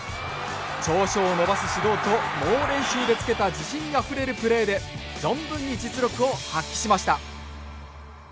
長所を伸ばす指導と猛練習でつけた自信あふれるプレーで存分に実力を発揮しました。